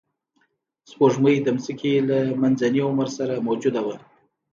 سپوږمۍ د ځمکې له منځني عمر سره موجوده وه